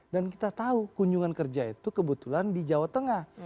dan kita tahu kunjungan kerja itu kebetulan di jawa tengah